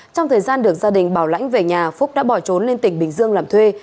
trong thời gian được gia đình bảo lãnh về nhà phúc đã bỏ trốn lên tỉnh bình dương làm thuê